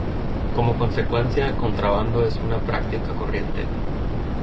Como consecuencia, el contrabando es una práctica corriente.